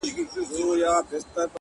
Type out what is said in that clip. پوهنتون د میني ولوله که غواړې,